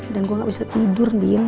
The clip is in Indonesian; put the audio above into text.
dan gue gak bisa tidur din